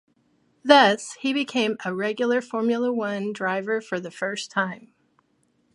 Thus, he became a regular Formula One driver for the first time.